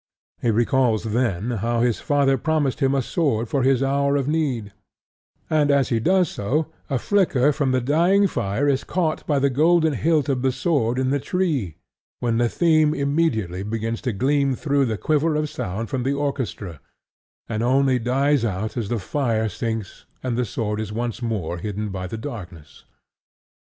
He recalls then how his father promised him a sword for his hour of need; and as he does so, a flicker from the dying fire is caught by the golden hilt of the sword in the tree, when the theme immediately begins to gleam through the quiver of sound from the orchestra, and only dies out as the fire sinks and the sword is once more hidden by the darkness.